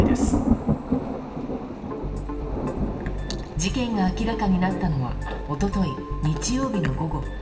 事件が明らかになったのは一昨日、日曜日の午後。